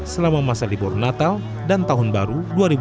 selama masa libur natal dan tahun baru dua ribu dua puluh